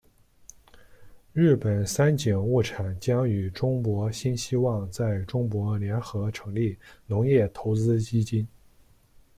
日本三井物产将与中国新希望在中国联合成立农业投资基金。